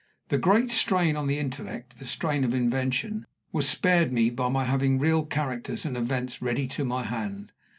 The great strain on the intellect the strain of invention was spared me by my having real characters and events ready to my hand.